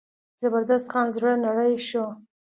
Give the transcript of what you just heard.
زبردست خان زړه نری شو.